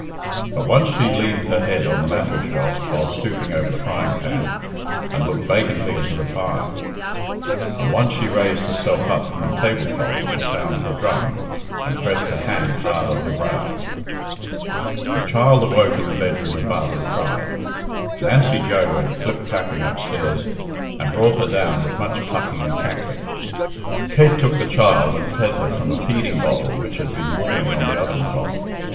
But once she leaned her head on the mantelshelf while stooping over the frying pan, and looked vacantly into the fire; and once she raised herself up from the table cloth at the sound of the drum, and pressed her hand hard on her brow. The child awoke in the bedroom above and cried. Nancy Joe went flip flapping upstairs, and brought her down with much clucking and cackling. Kate took the child and fed her from a feeding bottle which had been warming on the oven top.